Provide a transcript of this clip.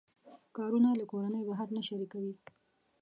کارونه له کورنۍ بهر نه شریکوي.